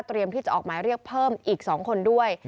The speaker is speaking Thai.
ที่จะออกหมายเรียกเพิ่มอีก๒คนด้วย